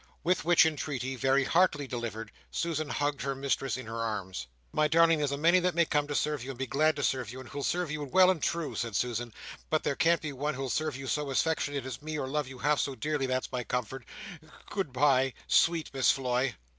With which entreaty, very heartily delivered, Susan hugged her mistress in her arms. "My darling there's a many that may come to serve you and be glad to serve you and who'll serve you well and true," said Susan, "but there can't be one who'll serve you so affectionate as me or love you half as dearly, that's my comfort. Go ood bye, sweet Miss Floy!"